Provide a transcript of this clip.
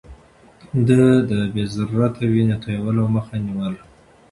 ده د بې ضرورته وينې تويولو مخه نيوله.